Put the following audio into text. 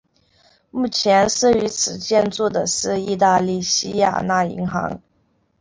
目前设于此建筑的是意大利西雅那银行。